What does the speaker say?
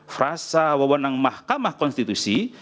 frasa wewenang mahkamah konstitusi